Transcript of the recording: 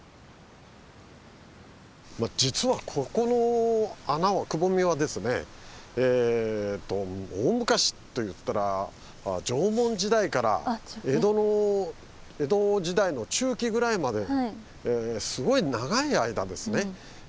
実はここの穴くぼみはですね大昔といったら縄文時代から江戸時代の中期ぐらいまですごい長い間ですね